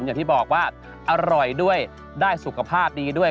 อย่างที่บอกว่าอร่อยด้วยได้สุขภาพดีด้วย